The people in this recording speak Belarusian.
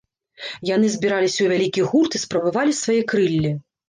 Яны збіраліся ў вялікі гурт і спрабавалі свае крыллі.